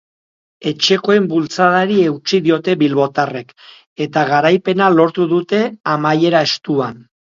Etxekoen bultzadari eutsi diote bilbotarrek eta garaipena lortu dute amaiera estuan.